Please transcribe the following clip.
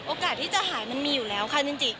โอกาสที่จะหายมันมีอยู่แล้วค่ะจริง